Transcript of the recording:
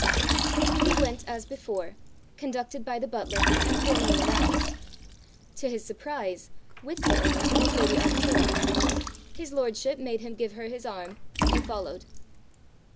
He went as before, conducted by the butler, and formally announced. To his surprise, with the earl was lady Arctura. His lordship made him give her his arm, and followed.